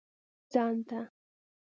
ځان ته.